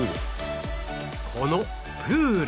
このプール！